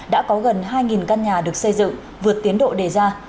đã có gần hai căn nhà được xây dựng vượt tiến độ đề ra